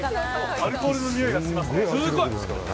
アルコールのにおいがしますね。